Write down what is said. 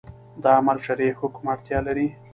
دا عمل شرعي حکم اړتیا لري